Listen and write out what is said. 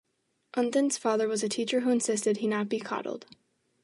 Unthan's father was a teacher who insisted he not be "coddled".